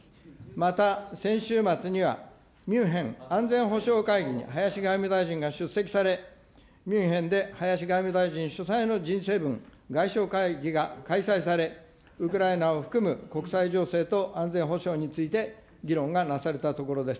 また、先週末にはミュンヘン安全保障会議に林外務大臣が出席され、ミュンヘンで林外務大臣主催のＧ７外相会議が開催され、ウクライナを含む国際情勢と安全保障について、議論がなされたところです。